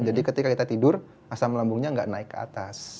jadi ketika kita tidur asam lambungnya nggak naik ke atas